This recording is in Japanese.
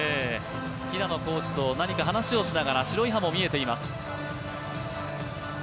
平野コーチと何か話をしながら白い歯も見えています。